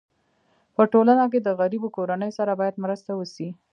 په ټولنه کي د غریبو کورنيو سره باید مرسته وسي.